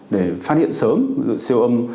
để phát hiện sớm siêu âm